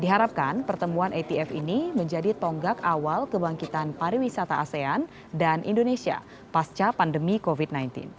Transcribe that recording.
diharapkan pertemuan atf ini menjadi tonggak awal kebangkitan pariwisata asean dan indonesia pasca pandemi covid sembilan belas